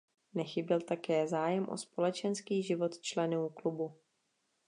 Nechyběl také zájem o společenský život členů klubu.